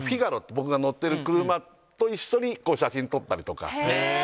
僕が乗ってる車と一緒に写真撮ったりとかへえええ